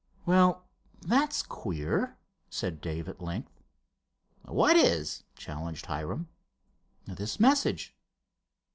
"Well, that's queer," said Dave at length. "What is?" challenged Hiram. "This message."